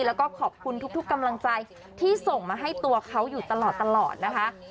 แล้วก็ขอบคุณทุกกำลังใจที่ส่งมาให้ตัวเขาอยู่ตลอดนะคะ